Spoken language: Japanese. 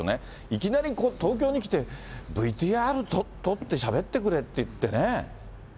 いきなり東京に来て、ＶＴＲ撮ってしゃべってくれって言ってね。